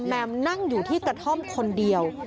เพื่อนบ้านเจ้าหน้าที่อำรวจกู้ภัย